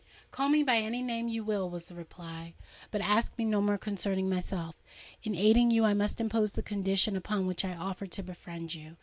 "Call me by any name you will," was the reply; "but ask me no more concerning myself. In aiding you, I must impose the conditions upon which I offer to befriend you!